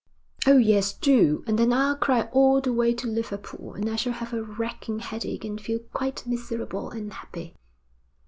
'Oh, yes, do. And then I'll cry all the way to Liverpool, and I shall have a racking headache and feel quite miserable and happy.'